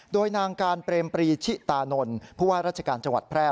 โดยนางการเปรมปรีชิตานนท์ผู้ว่าราชการจังหวัดแพร่